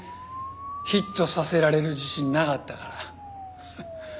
ヒットさせられる自信なかったから。